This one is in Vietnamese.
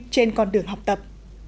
trên con đường học tập